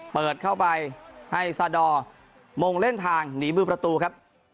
เปิดเข้าไปให้ซาดอร์มงเล่นทางหนีมือประตูครับ